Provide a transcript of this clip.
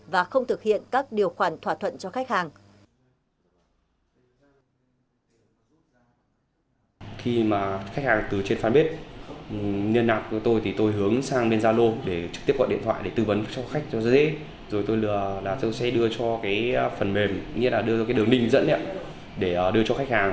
và không thực hiện các điều khoản thỏa thuận cho khách hàng